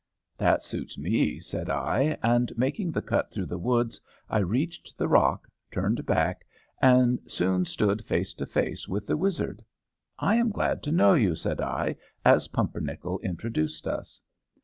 "That suits me," said I, and, making the cut through the woods, I reached the rock, turned back, and soon stood face to face with the wizard. "I am glad to know you," said I, as Pumpernickel introduced us.